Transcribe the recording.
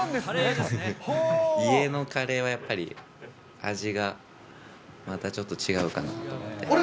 家のカレーはやっぱり、味が、またちょっと違うかなと思って。